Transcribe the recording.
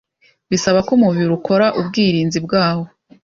bisaba ko umubiri ukora ubwirinzi bwawo